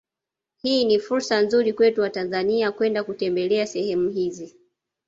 Hii ni fursa nzuri kwetu watanzania kwenda kutembelea sehemu hizi